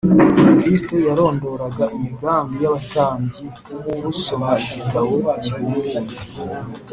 kristo yarondoraga imigambi y’abatambyi nk’usoma igitabo kibumbuye